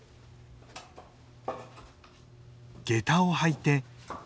下駄を履いて。